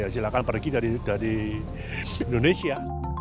silakan pergi dari indonesia